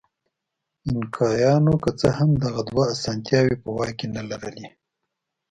اینکایانو که څه هم دغه دوه اسانتیاوې په واک کې نه لرلې.